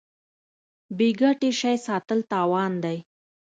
بې ګټې شی ساتل تاوان دی.